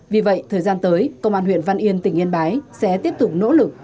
vì vậy thời gian tới công an huyện văn yên tỉnh yên bái sẽ tiếp tục nỗ lực